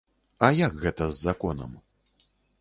А як гэта з законам?